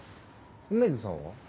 梅津さんは？